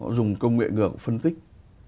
họ dùng công nghệ ngược phân tích